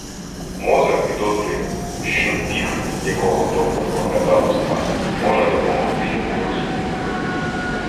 Мозер підозрює, що бігль, якого доктор оглядав останнім, може допомогти йому в розслідуванні.